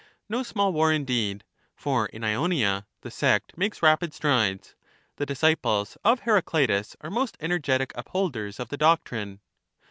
No small war, indeed, for in Ionia the sect makes Thsaeutm, rapid strides ; the disciples of Heracleitus are most energetic socrat««, upholders of the doctrine.